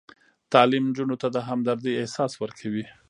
تعلیم نجونو ته د همدردۍ احساس ورکوي.